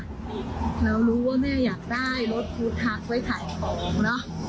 นี่ค่ะเรารู้ว่าแม่อยากได้เราทูทักไว้ถ่ายผงนะ